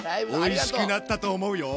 おいしくなったと思うよ。